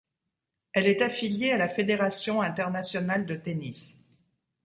Elle est affiliée à la fédération internationale de tennis.